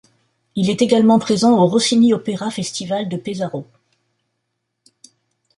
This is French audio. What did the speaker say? Il est également présent au Rossini Opera Festival de Pesaro.